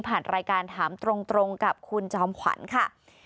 ผ่านรายการถามตรงกับคุณจอมขวัญค่ะ